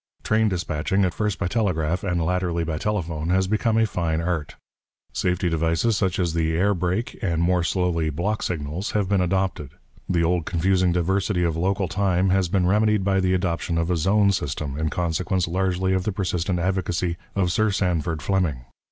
Train dispatching, at first by telegraph, and latterly by telephone, has become a fine art; safety devices such as the air brake, and more slowly block signals, have been adopted. The old confusing diversity of local time has been remedied by the adoption of a zone system, in consequence largely of the persistent advocacy of Sir Sandford Fleming.